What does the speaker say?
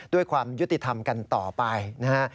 ด้วยความยุติธรรมกันต่อไปนะฮะ